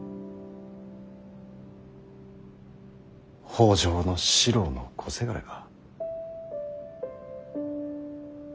北条四郎の小せがれが。